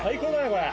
これ。